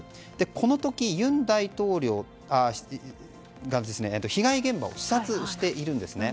この時、尹大統領が被害現場を視察しているんです。